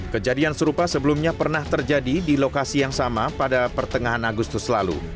kejadian serupa sebelumnya pernah terjadi di lokasi yang sama pada pertengahan agustus lalu